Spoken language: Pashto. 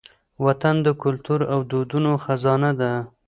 وطن د کلتور او دودونو خزانه ده.